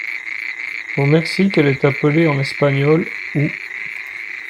Au Mexique, elle est appelée en espagnol ' ou '.